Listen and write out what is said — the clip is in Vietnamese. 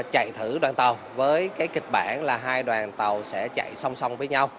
chạy thử đoàn tàu với cái kịch bản là hai đoàn tàu sẽ chạy song song với nhau